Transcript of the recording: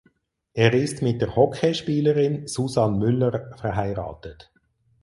Er ist mit der Hockeyspielerin Susanne Müller verheiratet.